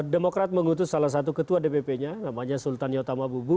demokrat mengutus salah satu ketua dpp nya namanya sultan yota mabubu